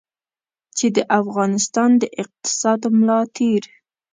چې د افغانستان د اقتصاد ملا تېر.